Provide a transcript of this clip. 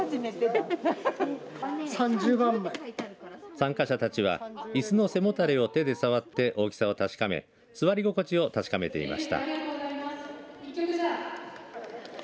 参加者たちはいすの背もたれを手で触って大きさを確かめ座り心地を確かめていました。